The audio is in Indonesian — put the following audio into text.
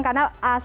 karena asalnya itu